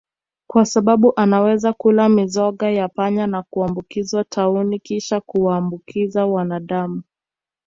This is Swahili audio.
kwa sbabu anaweza kula mizoga ya panya na kuambukizwa tauni kisha kuwaambukiza wanadamu